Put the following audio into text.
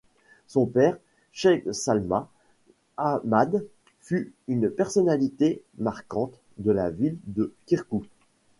Son père, Cheikh Salman Ahmad, fut une personnalité marquante de la ville de Kirkouk.